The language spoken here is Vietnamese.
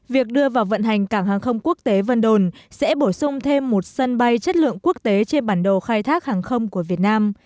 việc đưa vào vận hành cảng hàng không quốc tế vân đồn sẽ bổ sung thêm một sân bay chất lượng quốc tế trên bản đồ khai thác hàng không của việt nam